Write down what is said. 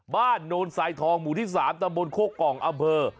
บ้านโนนสายทองหมู่ที่สามตามบนโครอกองอำเภอ